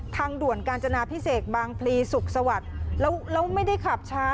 ทางด่วนกาญจนาพิเศษบางพลีสุขสวัสดิ์แล้วแล้วไม่ได้ขับช้า